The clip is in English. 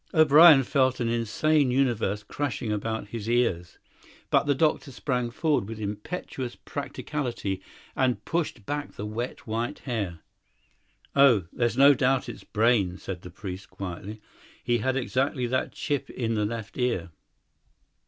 O'Brien felt an insane universe crashing about his ears; but the doctor sprang forward with impetuous practicality and pushed back the wet white hair. "Oh, there's no doubt it's Brayne," said the priest quietly. "He had exactly that chip in the left ear."